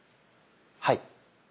はい。